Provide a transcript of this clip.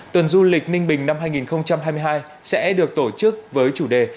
tuần du lịch ninh bình năm hai nghìn hai mươi hai sẽ được tổ chức với chủ đề